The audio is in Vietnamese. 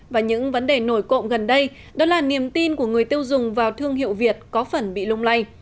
và những vấn đề nổi cộng gần đây đó là niềm tin của người tiêu dùng vào thương hiệu việt có phần bị lung lay